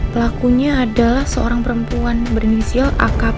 pelakunya adalah seorang perempuan berinisial akp